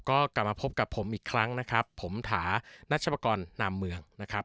ก็กลับมาพบกับผมอีกครั้งนะครับผมถานัชปกรณ์นามเมืองนะครับ